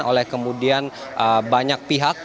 oleh kemudian banyak pihak